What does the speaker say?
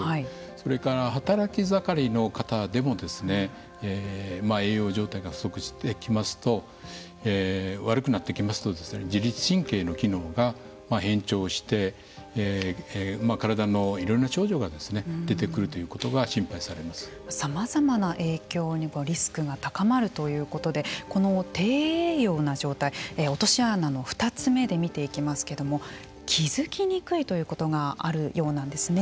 それから働き盛りの方でも栄養状態が不足してきますと悪くなってきますと自律神経の機能が変調して体のいろいろな症状が出てくるということがさまざまな影響にリスクが高まるということでこの低栄養な状態落とし穴の２つ目で見ていきますけれども気づきにくいということがあるようなんですね。